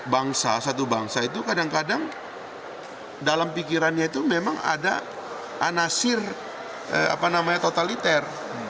bangsa satu bangsa itu kadang kadang dalam pikirannya itu memang ada anasir totaliter